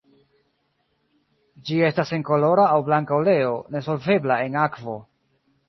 Ĝi estas senkolora aŭ blanka oleo, ne solvebla en akvo.